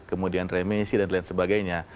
kemudian remisi dan lain sebagainya